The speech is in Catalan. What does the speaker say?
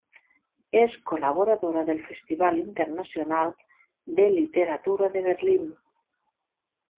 És col·laboradora del Festival Internacional de Literatura de Berlín.